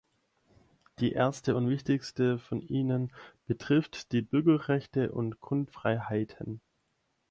Die erste und wichtigste von ihnen betrifft die Bürgerrechte und Grundfreiheiten.